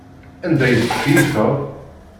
Anda ay tettkeyyifeḍ?